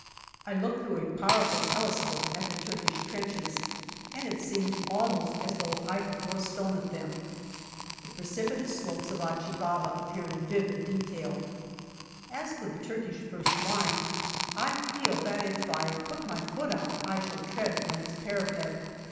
I look through a powerful telescope at the Turkish trenches, and it seems almost as though I could throw a stone at them. The precipitous slopes of Achi Baba appear in vivid detail. As for the Turkish first line, I feel that if I put my foot out I shall tread on its parapet.